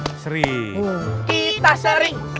kita seri kita seri